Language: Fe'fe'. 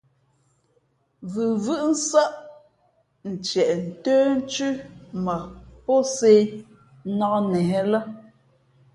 Vʉvʉ́ʼ nsάʼ ntieʼ ntə́nthʉ́ mα pō sē nnāk nehē lά.